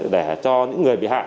để cho những người bị hạ